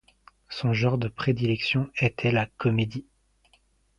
Son genre de prédilection était la comédie.